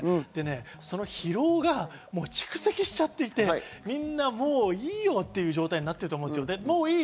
その疲労が蓄積しちゃっていて、みんなもういいよっていう状態になってると思う。